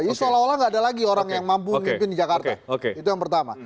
ini seolah olah nggak ada lagi orang yang mampu memimpin di jakarta itu yang pertama